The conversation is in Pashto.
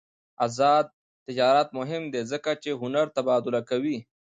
آزاد تجارت مهم دی ځکه چې هنر تبادله کوي.